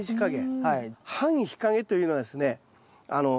半日陰というのはですね